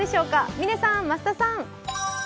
嶺さん、増田さん。